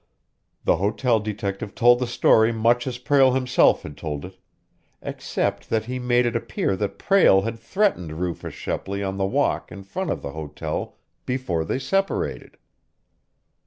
The hotel detective told the story much as Prale himself had told it, except that he made it appear that Prale had threatened Rufus Shepley on the walk in front of the hotel before they separated.